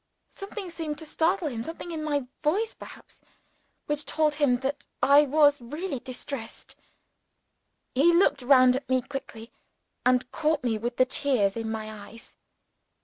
Something seemed to startle him something in my voice perhaps which told him that I was really distressed. He looked round at me quickly, and caught me with the tears in my eyes.